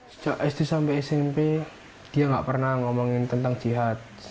sejak sd sampai smp dia nggak pernah ngomongin tentang jihad